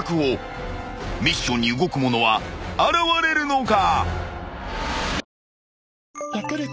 ［ミッションに動く者は現れるのか？］